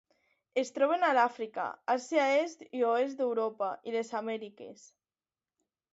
Es troben a l'Àfrica, Àsia est i oest d'Europa i les Amèriques.